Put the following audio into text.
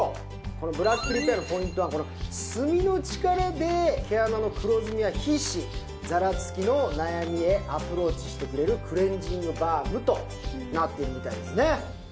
このブラックリペアのポイントは炭の力で毛穴の黒ずみや皮脂ザラつきの悩みへアプローチしてくれるクレンジングバームとなっているみたいですね